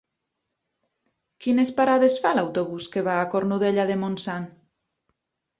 Quines parades fa l'autobús que va a Cornudella de Montsant?